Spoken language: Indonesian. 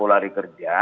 enam puluh hari kerja